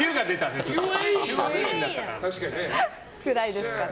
くらいですかね。